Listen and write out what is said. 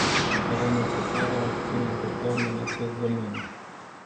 Era necesară o acțiune europeană în acest domeniu.